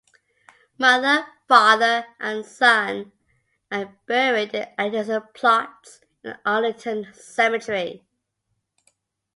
Mother, father and son are buried in adjacent plots in Arlington Cemetery.